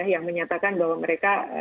yang menyatakan bahwa mereka